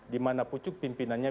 di mana pucuk pimpinannya